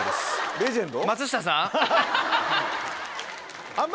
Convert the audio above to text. レジェンド？